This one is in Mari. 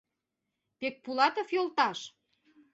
— Пекпулатов йолташ...